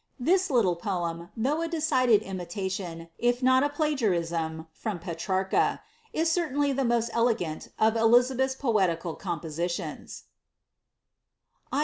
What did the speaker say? This little poem, though a decided imitation, if not a plagiarism from Petrarca, is ceitainly the most elegant of all Elizabeth's poetical compositions :— I.